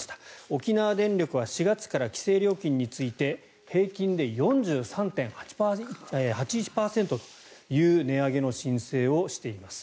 沖縄電力は４月から規制料金について平均で４３．８１％という値上げの申請をしています。